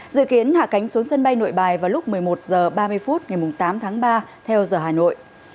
dự kiến hạ cánh xuống sân bay nội bài vào lúc một mươi một h ba mươi phút ngày tám tháng ba theo giờ hà nội